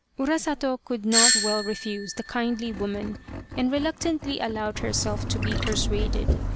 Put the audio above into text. Urasato could not well refuse the kindly woman and reluctantly allowed herself to be persuaded.